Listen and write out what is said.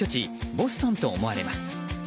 ボストンと思われます。